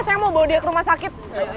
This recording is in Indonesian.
saya mau bawa dia ke rumah sakit